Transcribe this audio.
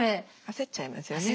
焦っちゃいますよね。